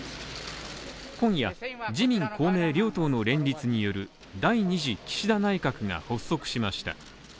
今夜、自民、公明両党の連立による第２次岸田内閣が発足しました。